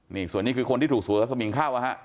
นี่ส่วนนี้คือคนที่ถูกสวนกับสมิงเข้าอ่ะฮะ